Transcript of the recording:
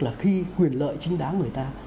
là khi quyền lợi chính đáng người ta